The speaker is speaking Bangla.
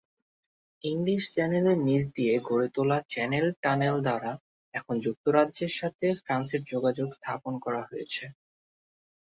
ইংলিশ চ্যানেলের নীচ দিয়ে গড়ে তোলা চ্যানেল টানেল দ্বারা এখন যুক্তরাজ্যের সাথে ফ্রান্সের সংযোগ স্থাপন করা হয়েছে।